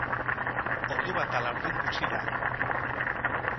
Ordu bata laurden gutxi da